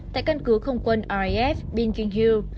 tại căn cứ không quân raf binking hill